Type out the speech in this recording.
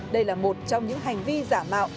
đây là một trong những hành vi giả mạo